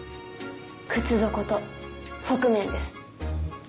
靴底と側面です。